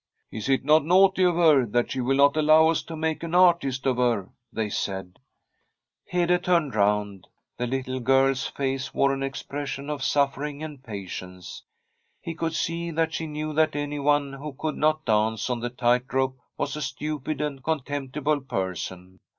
* Is it not naughty of her that she will not allow us to make an artist of her ?' they said. From a SWEDISH HOMESTEAD Hede turned round. The little girl's face wore an expression of suffering and patience. He could see that she knew that anyone who could not dance on the tight rope was a stupid and contemptible person.